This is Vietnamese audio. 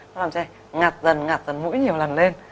nó làm cho ngạt dần ngạt dần mũi nhiều lần lên